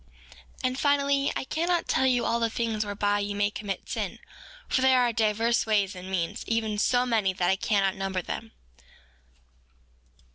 4:29 And finally, I cannot tell you all the things whereby ye may commit sin; for there are divers ways and means, even so many that I cannot number them.